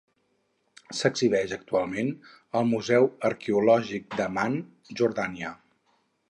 S'exhibeix, actualment, al Museu Arqueològic d'Amman, Jordània.